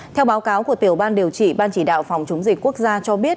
theo báo cáo của tiểu ban điều trị ban chỉ đạo phòng chống dịch quốc gia cho biết